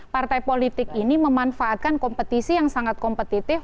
partai politik ini memanfaatkan kompetisi yang sangat kompetitif